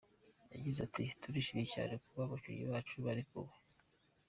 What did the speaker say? Yagize ati “Turishimye cyane kuba abakinnyi bacu barekuwe.